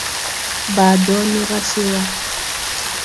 Baa dɔɔ ne ra se wà.